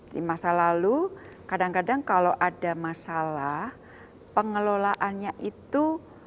di masa lalu kadang kadang kalau ada masalah pengelolaannya itu